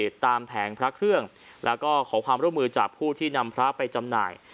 ตามแผงพระเครื่องแล้วก็ขอความร่วมมือจากผู้ที่นำพระไปจำหน่าย